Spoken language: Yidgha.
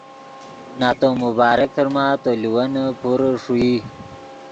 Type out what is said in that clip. نتو مبارک فرما تو لیوینے پورے ݰوئی